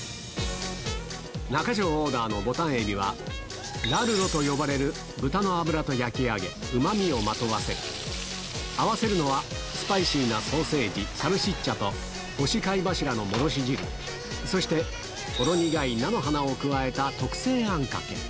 中条オーダーのボタン海老は、ラルドと呼ばれる豚の脂と焼き上げ、うまみをまとわせ、合わせるのは、スパイシーなソーセージ、サルシッチャと干し貝柱の戻し汁、そしてほろ苦い菜の花を加えた特製あんかけ。